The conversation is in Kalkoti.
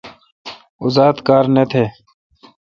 اوزات کار نہ تھ۔